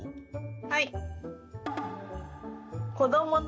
はい。